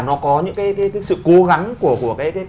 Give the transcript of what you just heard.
nó có những cái sự cố gắng của